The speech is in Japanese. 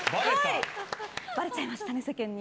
バレちゃいましたね、世間に。